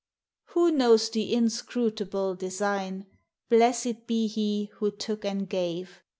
Who knows the inscrutable design? Blessed be He who took and gave!